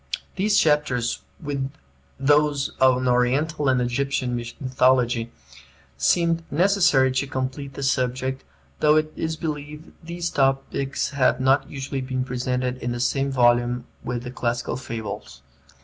These chapters, with those on Oriental and Egyptian mythology, seemed necessary to complete the subject, though it is believed these topics have not usually been presented in the same volume with the classical fables.